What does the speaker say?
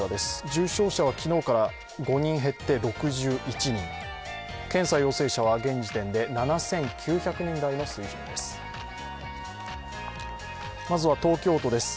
重症者は昨日から５人減って６１人、検査陽性者は現時点で７９００人台の水準です。